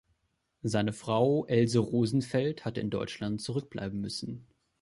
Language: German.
Seine Frau Else Rosenfeld hatte in Deutschland zurückbleiben müssen.